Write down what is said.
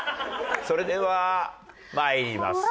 それでは参ります。